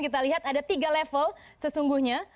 kita lihat ada tiga level sesungguhnya